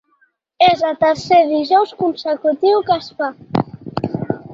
És el tercer dijous consecutiu que es fa.